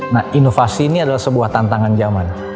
nah inovasi ini adalah sebuah tantangan zaman